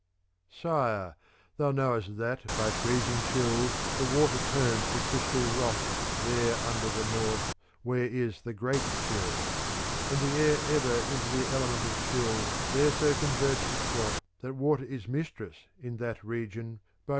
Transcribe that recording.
III Sire, thou knowest that by freezing chill the water turns to crystal rock there under the north, where is the great chill ; and the air ever into the element of chill 2 there so converts itself that water is mis tress in that region, by reason of the chill.